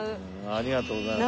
ありがとうございます。